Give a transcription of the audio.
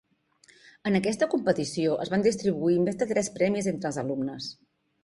En aquesta competició, es van distribuir més de tres premis entre els alumnes.